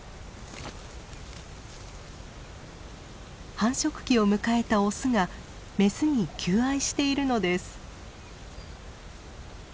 繁殖期を迎えたオスがメスに求愛しているのです。